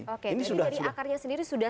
oke tapi dari akarnya sendiri sudah